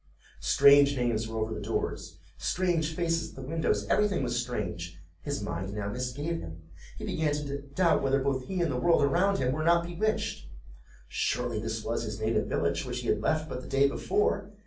Strange names were over the doors—strange faces at the windows—every thing was strange. His mind now misgave him; he began to doubt whether both he and the world around him were not bewitched. Surely this was his native village, which he had left but the day before.